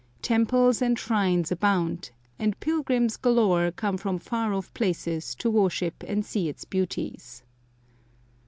Temples and shrines abound, and pilgrims galore come from far off places to worship and see its beauties.